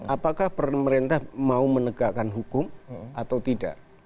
apakah pemerintah mau menegakkan hukum atau tidak